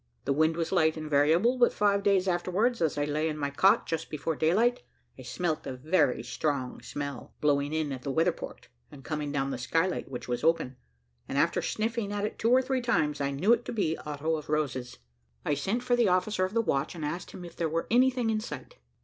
The wind was light and variable; but five days afterwards, as I lay in my cot, just before daylight, I smelt a very strong smell, blowing in at the weather port, and coming down the skylight which was open; and after sniffing at it two or three times, I knew it to be otto of roses. I sent for the officer of the watch, and asked him if there were anything in sight.